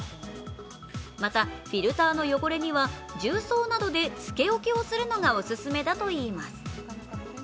また、フィルターの汚れには重曹などでつけ置きをするのがおすすめだといいます。